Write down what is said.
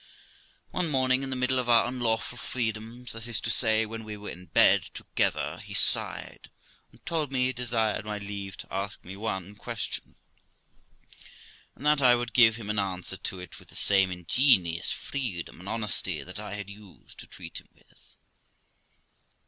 One morning, in the middle of our unlawful freedoms that is to say, when we were in bed together he sighed, and told me he desired my leave to ask me one question, and that I would give him an answer to it with the same ingenious freedom and honesty that I had used to treat him with.